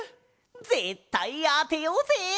ぜったいあてようぜ！